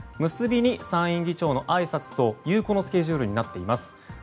結びに参院議長のあいさつというスケジュールになっています。